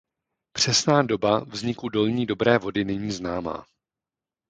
Přesná doba vzniku Dolní Dobré Vody není známá.